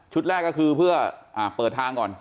แรกก็คือเพื่อเปิดทางก่อน